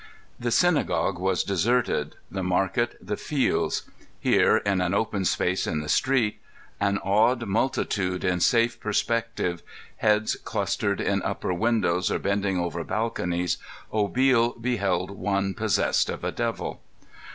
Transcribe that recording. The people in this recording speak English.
The synagogue was deserted, the market, the fields. Here in an open space in the street, an awed multitude in safe perspective, heads clustered in upper windows or bending over balconies, Obil beheld one possessed of a devil.